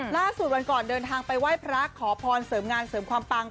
ล่าสุดวันก่อนเดินทางไปไหว้พระขอพรเสริมงานเสริมความปัง